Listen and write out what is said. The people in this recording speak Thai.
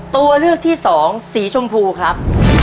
ตัวเลือกที่สองสีชมพูครับ